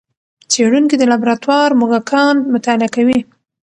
څېړونکي د لابراتوار موږکان مطالعه کوي.